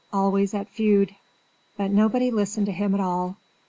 always at feud!" But nobody listened to him at all.